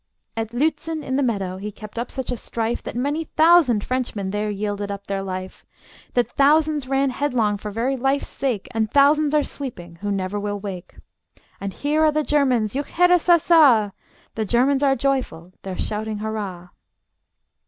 At Lützen, in the meadow, he kept up such a strife, That many thousand Frenchmen there yielded up their life; That thousands ran headlong for very life's sake, And thousands are sleeping who never will wake. And here are the Germans: juchheirassassa! The Germans are joyful: they're shouting hurrah!